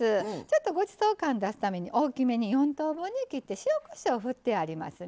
ちょっとごちそう感出すために大きめに４等分に切って塩・こしょうをふってありますね。